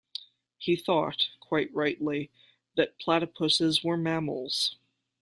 He thought, quite rightly, that platypuses were mammals.